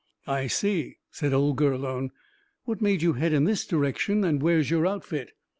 "I see," said old Gurlone. "What made you head in this direction, and where's your outfit?"